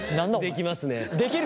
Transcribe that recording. できますね。